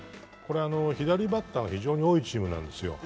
左バッターが非常に多いチームなんですよ。